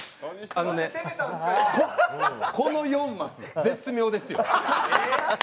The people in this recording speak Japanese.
あのね、この４マス、絶妙ですよ。